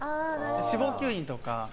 脂肪吸引とか。